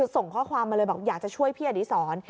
ส่งข้อความมาเลยบอกอยากจะช่วยพี่อดีศร